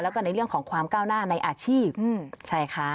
แล้วก็ในเรื่องของความก้าวหน้าในอาชีพใช่ค่ะ